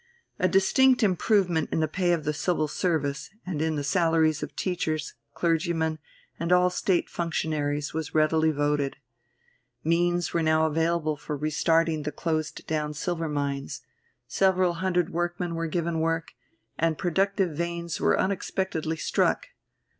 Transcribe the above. A distinct improvement in the pay of the Civil Service, and in the salaries of teachers, clergymen, and all State functionaries was readily voted. Means were now available for restarting the closed down silver mines; several hundred workmen were given work, and productive veins were unexpectedly struck.